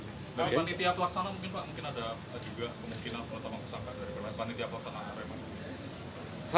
dari panitia tuak sana mungkin pak mungkin ada juga kemungkinan untuk mempersangka dari panitia tuak sana